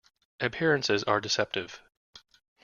Appearances are deceptive.